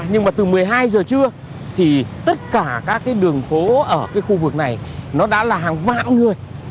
nhưng mà từ một mươi hai giờ trưa thì tất cả các cái đường phố ở cái khu vực này nó đã là hàng vạn người